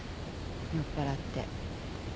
酔っ払って。